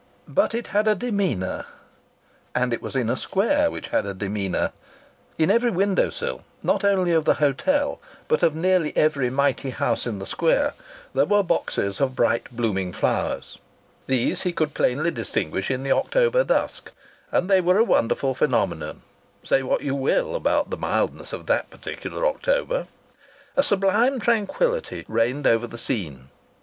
But it had a demeanour ... and it was in a square which had a demeanour.... In every window sill not only of the hotel, but of nearly every mighty house in the Square there were boxes of bright blooming flowers. These he could plainly distinguish in the October dusk, and they were a wonderful phenomenon say what you will about the mildness of that particular October! A sublime tranquillity reigned over the scene.